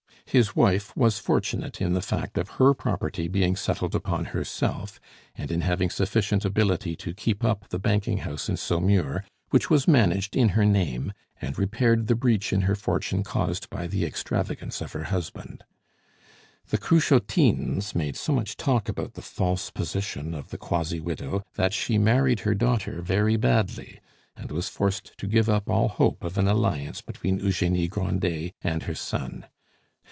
His wife was fortunate in the fact of her property being settled upon herself, and in having sufficient ability to keep up the banking house in Saumur, which was managed in her name and repaired the breach in her fortune caused by the extravagance of her husband. The Cruchotines made so much talk about the false position of the quasi widow that she married her daughter very badly, and was forced to give up all hope of an alliance between Eugenie Grandet and her son.